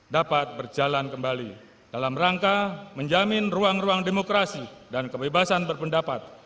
dapat berjalan kembali dalam rangka menjamin ruang ruang demokrasi dan kebebasan berpendapat